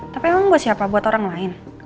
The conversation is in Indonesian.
tapi emang buat siapa buat orang lain